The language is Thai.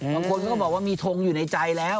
บางคนเขาก็บอกว่ามีทงอยู่ในใจแล้ว